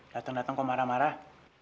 dateng dateng kok marah marah